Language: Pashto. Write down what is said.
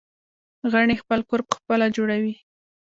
غڼې خپل کور پخپله جوړوي